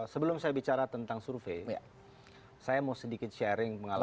sebelum saya bicara tentang survei saya mau sedikit sharing pengalaman